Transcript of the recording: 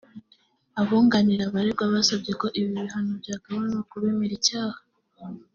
Abunganiraga abaregwa basabye ko ibyo bihano byagabanywa ku bemera ibyaha